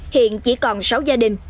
hiện chỉ còn sáu gia đình